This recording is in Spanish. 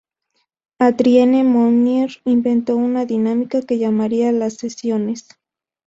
Adrienne Monnier inventó una dinámica que llamaría las sesiones.